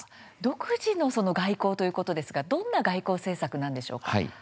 独自の外交ということですがどんな外交政策なんでしょうか。